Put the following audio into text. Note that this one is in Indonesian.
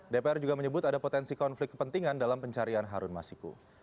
dpr juga menyebut ada potensi konflik kepentingan dalam pencarian harun masiku